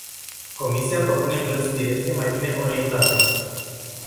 Comisia propune plăți directe mai bine orientate.